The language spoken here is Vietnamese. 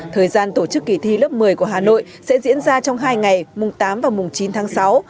thời gian tổ chức kỳ thi lớp một mươi của hà nội sẽ diễn ra trong hai ngày mùng tám và mùng chín tháng sáu